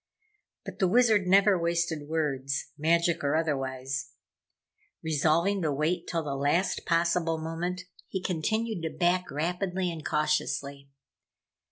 But the Wizard never wasted words, magic or otherwise. Resolving to wait till the last possible moment, he continued to back rapidly and cautiously.